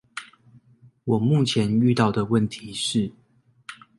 我目前遇到的問題是